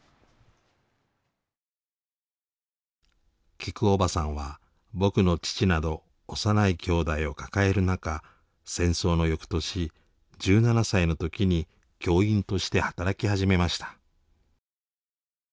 きくおばさんは僕の父など幼い兄弟を抱える中戦争の翌年１７歳の時に教員として働き始めました。